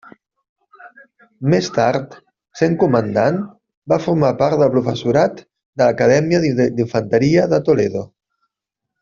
Més tard, sent comandant, va formar part del professorat de l'Acadèmia d'Infanteria de Toledo.